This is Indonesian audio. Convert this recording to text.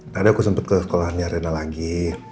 tadi aku sempet ke sekolahnya rena lagi